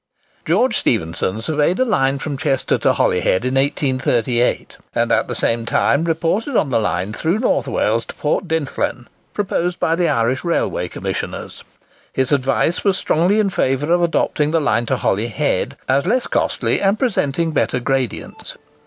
George Stephenson surveyed a line from Chester to Holyhead in 1838, and at the same time reported on the line through North Wales to Port Dynllaen, proposed by the Irish Railway Commissioners. His advice was strongly in favour of adopting the line to Holyhead, as less costly and presenting better gradients.